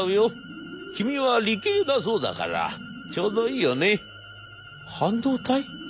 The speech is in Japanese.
君は理系だそうだからちょうどいいよね」。